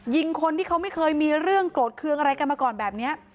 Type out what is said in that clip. คนที่เขาไม่เคยมีเรื่องโกรธเครื่องอะไรกันมาก่อนแบบนี้